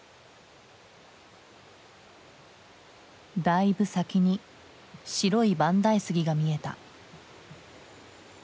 だいぶ先に白い万代杉が見えた。